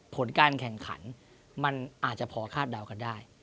ผลการแข่งขันมันอาจจะพอคาดเดากันได้